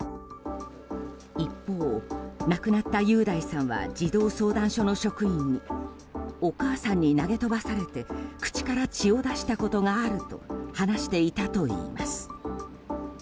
一方、亡くなった雄大さんは児童相談所の職員にお母さんに投げ飛ばされて口から血を出したことがあると話していたといいます。